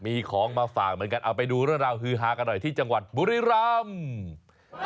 มีของมาฝากเหมือนกันเอาไปดูร่านหื้อหากันหน่อยที่จังหวัดบุริรัมธ์